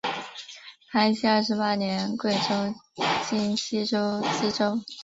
康熙二十八年升贵州黔西州知州。